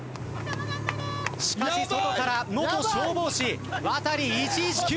しかし外から元消防士ワタリ１１９だ。